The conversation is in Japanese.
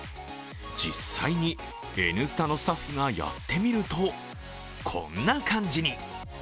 実際に「Ｎスタ」のスタッフがやってみると、こんな感じに。